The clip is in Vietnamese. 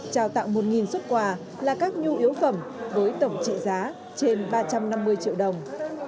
trao tặng một xuất quà là các nhu yếu phẩm với tổng trị giá trên ba trăm năm mươi triệu đồng